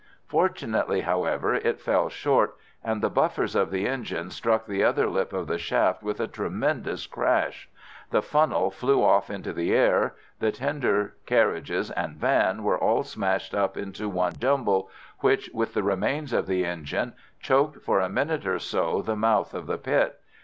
Fortunately, however, it fell short, and the buffers of the engine struck the other lip of the shaft with a tremendous crash. The funnel flew off into the air. The tender, carriages, and van were all smashed up into one jumble, which, with the remains of the engine, choked for a minute or so the mouth of the pit.